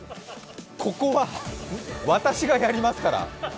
ここは私がやりますから。